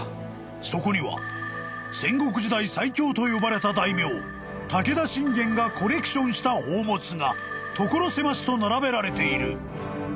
［そこには戦国時代最強と呼ばれた大名武田信玄がコレクションした宝物が所狭しと並べられている］